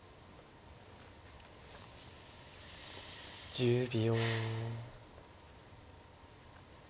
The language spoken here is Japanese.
１０秒。